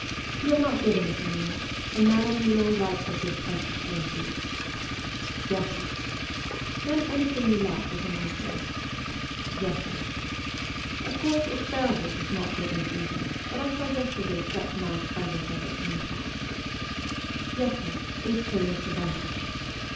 You have not given us any yet, and madam, you know, likes a good French spring soup.' ' Yes, sir.' ' Then, anything you like as an entree.' 1 Yes, sir.' ' Of course, asparagus is not yet in season, but I saw yesterday such nice bundles of it in the shops.' ' Yes, sir ; eight shillings the bundle.'